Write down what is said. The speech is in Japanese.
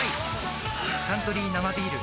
「サントリー生ビール」